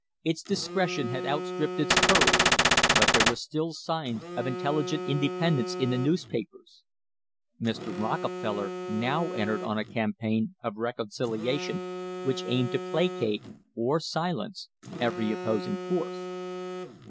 Its discretion had outstripped its courage, but there were still signs of intelli [ 260] THE COMPROMISE OF 1880 gent independence in the newspapers. Mr. Rockefeller now entered on a campaign of reconciliation which aimed to pla cate, or silence, every opposing force.